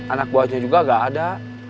anak buahnya juga gak ada